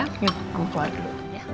kamu keluar dulu